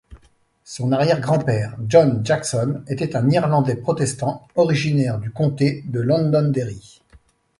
Son arrière-grand-père, John Jackson, était un Irlandais protestant, originaire du comté de Londonderry.